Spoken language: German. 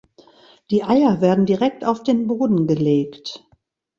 Die Eier werden direkt auf den Boden gelegt.